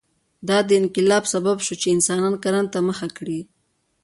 دا انقلاب سبب شو چې انسان کرنې ته مخه کړي.